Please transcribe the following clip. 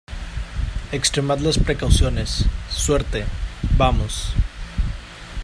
extremad las precauciones. suerte, vamos .